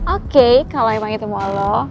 oke kalau emang itu mau lo